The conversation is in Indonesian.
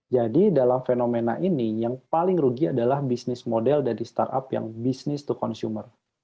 jadi dalam fenomena ini yang paling rugi adalah bisnis model dari startup yang business to consumer